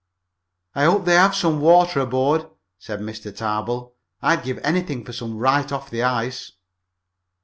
"I hope they have some water aboard," said Mr. Tarbill. "I'd give anything for some right off the ice."